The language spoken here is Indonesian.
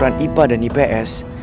bukan cuma dari peraturan ipa dan ips